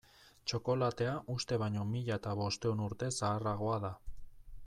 Txokolatea uste baino mila eta bostehun urte zaharragoa da.